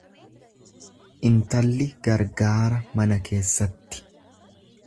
Intalli gargaara mana keessatti.